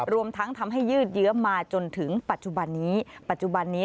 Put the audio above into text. รวมทั้งทำให้ยืดเยอะมาจนถึงปัจจุบันนี้